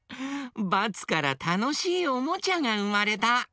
バツからたのしいおもちゃがうまれた！